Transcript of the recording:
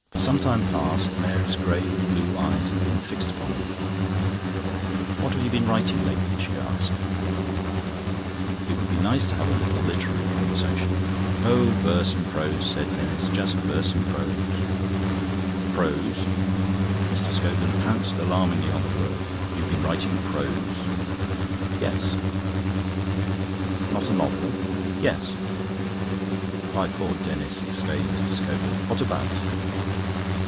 For some time past Mary's grave blue eyes had been fixed upon him. "What have you been writing lately?" she asked. It would be nice to have a little literary conversation. "Oh, verse and prose," said Denis "just verse and prose." "Prose?" Mr. Scogan pounced alarmingly on the word. "You've been writing prose?" "Yes." "Not a novel?" "Yes." "My poor Denis!" exclaimed Mr. Scogan. "What about?"